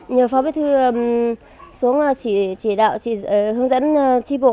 nhờ phó bí thư xuống chỉ đạo chỉ hướng dẫn tri bộ